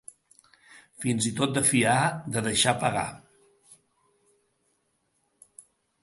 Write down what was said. Fins i tot de fiar, de deixar a pagar.